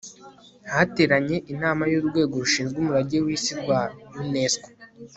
hateranye inama y'urwego rushinzwe umurage w'isi rwa unesco